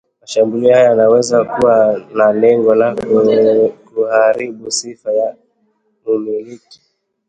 Mashambulio haya yanaweza kuwa na lengo ya kuharibu sifa ya mmiliki